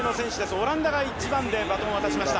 オランダは１番でバトンを渡しました。